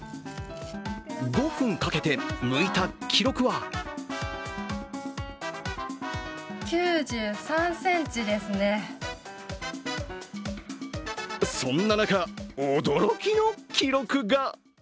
５分かけて、むいた記録はそんな中、驚きの記録が。